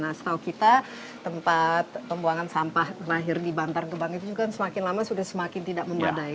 nah setahu kita tempat pembuangan sampah terakhir di bantar gebang itu juga semakin lama sudah semakin tidak memadai